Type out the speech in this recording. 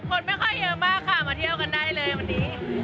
คนไม่ค่อยเยอะมากค่ะมาเที่ยวกันได้เลยวันนี้